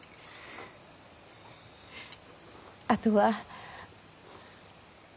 あとは。